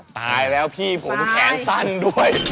ตายแล้วพี่ผมแขนสั้นด้วย